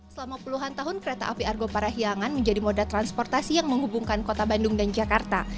selama puluhan tahun kereta api argo parahiangan menjadi moda transportasi yang menghubungkan kota bandung dan jakarta